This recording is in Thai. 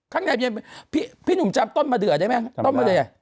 ข้างในเย็นพี่พี่หนุ่มจำต้นมาเดือดได้ไหมต้นมาเดือดจำไม่ได้